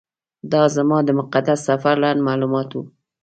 دا زما د مقدس سفر لنډ معلومات و.